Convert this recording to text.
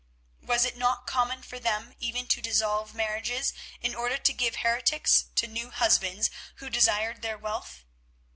Was it not common for them even to dissolve marriages in order to give heretics to new husbands who desired their wealth?